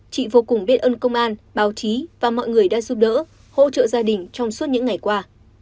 chị vô cùng biết ơn công an báo chí và mọi người đã giúp đỡ hỗ trợ gia đình trong suốt những ngày qua